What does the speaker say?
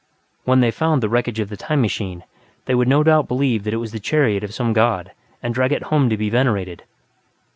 When they found the wreckage of the "time machine", they would no doubt believe that it was the chariot of some god and drag it home to be venerated.